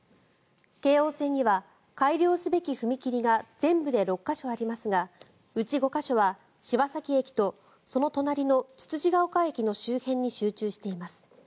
京王線には、改良すべき踏切が全部で６か所ありますがうち５か所は柴崎駅とその隣のつつじヶ丘駅の周辺に集中しています。